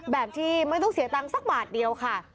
แบบที่ไม่ต้องเสียตังค์สักบาทเดียวค่ะ